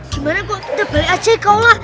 gimana kok udah balik aja ke aula